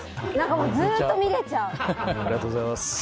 ずっと見れちゃう。